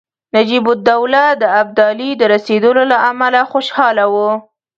نجیب الدوله د ابدالي د رسېدلو له امله خوشاله وو.